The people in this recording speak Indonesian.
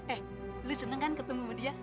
eh lu seneng kan ketemu sama dia